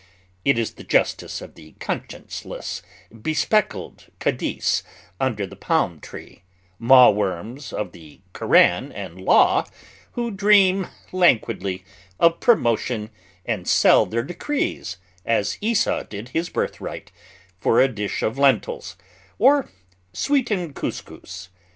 It is the justice of the conscienceless, bespectacled cadis under the palm tree, Maw worms of the Koran and Law, who dream languidly of promotion and sell their decrees, as Esau did his birthright, for a dish of lentils or sweetened kouskous.